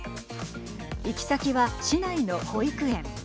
行き先は市内の保育園。